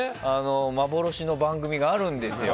幻の番組があるんですよ。